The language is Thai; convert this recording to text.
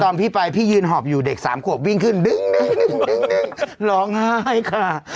พี่ไปพี่ยืนหอบอยู่เด็กสามขวบวิ่งขึ้นดึงดึงร้องไห้ค่ะ